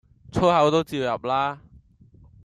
粗口都照入啦